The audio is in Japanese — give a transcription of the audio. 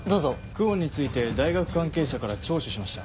久遠について大学関係者から聴取しました。